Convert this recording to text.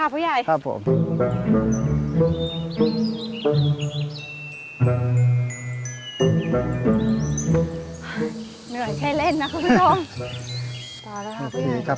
เหนื่อยแค่เล่นน่ะครับทุกทุกคน